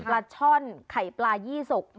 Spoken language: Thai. ปลาช่อนไข่ปลายี่สก